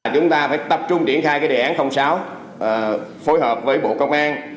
chúng ta phải tập trung triển khai đề án sáu phối hợp với bộ công an